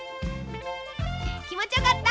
きもちよかった？